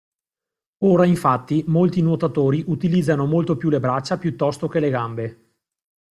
Ora, infatti, molti nuotatori utilizzano molto più le braccia piuttosto che le gambe.